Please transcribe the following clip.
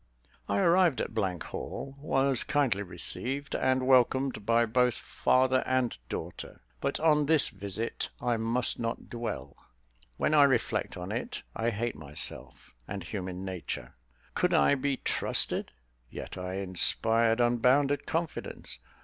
I arrived at Hall, was kindly received and welcomed by both father and daughter; but on this visit, I must not dwell. When I reflect on it, I hate myself and human nature! Could I be trusted? yet I inspired unbounded confidence.